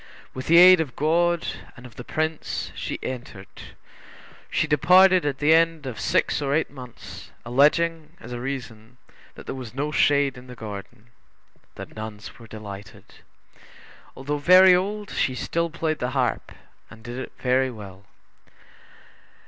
With the aid of God, and of the Prince, she entered. She departed at the end of six or eight months, alleging as a reason, that there was no shade in the garden. The nuns were delighted. Although very old, she still played the harp, and did it very well.